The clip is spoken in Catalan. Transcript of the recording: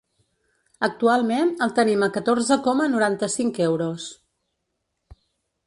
Actualment el tenim a catorze coma noranta-cinc euros.